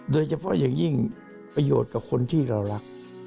โดยเฉพาะอย่างยิ่งประโยชน์กับคนที่เรารัก